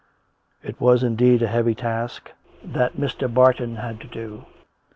It was, indeed, a heavy task that Mr. Barton had to do.